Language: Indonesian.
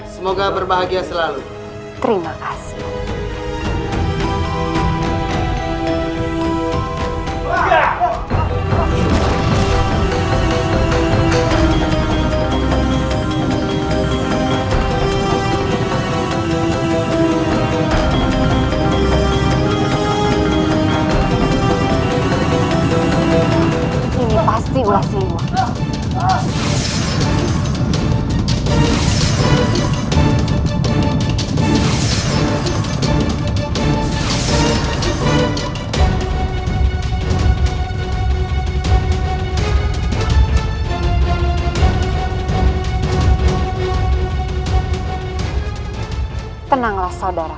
semoga berbahagia selalu